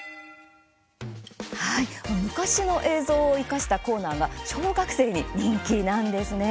昔の映像を生かしたコーナーが小学生に人気なんですね。